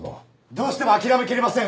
どうしても諦めきれません！